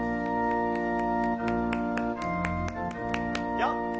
よっ。